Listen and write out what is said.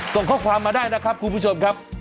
ส่งข้อความมาได้นะครับคุณผู้ชมครับ